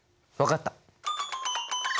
分かった。